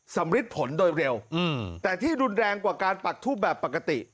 สำริดผลโดยเร็วแต่ที่รุนแรงกว่าการปักทูบแบบปกติ